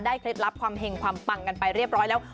เคล็ดลับความเห็งความปังกันไปเรียบร้อยแล้ว